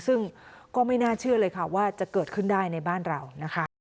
ซึ่งก็ไม่น่าเชื่อเลยค่ะว่าจะเกิดขึ้นได้ในบ้านเรานะคะ